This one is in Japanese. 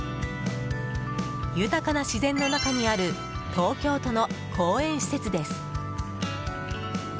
豊かな自然の中にある東京都の公園施設です。